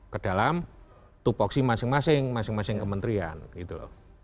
kedalam tupuksi masing masing kementerian gitu loh